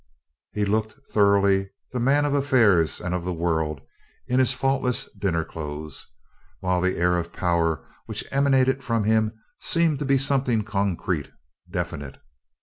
He looked thoroughly the man of affairs and of the world in his faultless dinner clothes, while the air of power which emanated from him seemed to be something concrete definite.